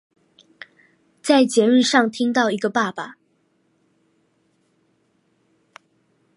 在捷運上聽到一個爸爸